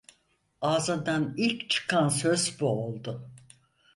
Ağzından ilk çıkan söz bu oldu.